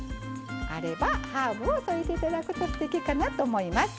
あればハーブを添えていただくとすてきかなと思います。